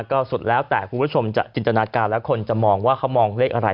ก็สุดแล้วแต่คุณผู้ชมจะจินตนาการแล้วคนจะมองว่าเขามองเลขอะไร